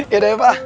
yaudah ya pa